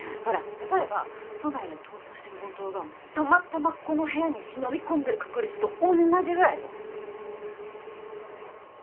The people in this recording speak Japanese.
例えば都内で逃走してる強盗がたまたまこの部屋に忍び込んでる確率とおんなじぐらいの。